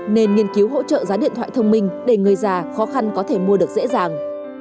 nên nghiên cứu hỗ trợ giá điện thoại thông minh để người già khó khăn có thể mua được dễ dàng